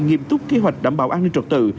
nghiêm túc kế hoạch đảm bảo an ninh trật tự